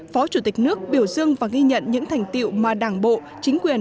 phó chủ tịch nước biểu dương và ghi nhận những thành tiệu mà đảng bộ chính quyền